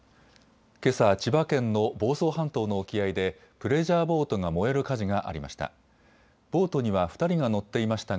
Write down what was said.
けさ、千葉県の房総半島の沖合でプレジャーボートが燃える火事がありました。